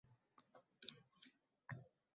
U jon bilan ketsa dildan